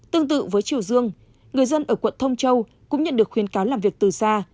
tương tự với triều dương người dân ở quận thông châu cũng nhận được khuyên cáo làm việc từ xa